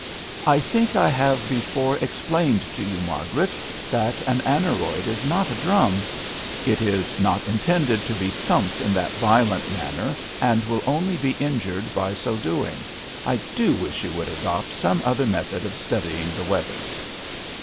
" I think I have before ex plained to you, Margaret, that an aneroid is not a drum. It is not intended to be thumped in that violent manner, and will only be injured by so doing. I do wish you would adopt some other method of studying the weather."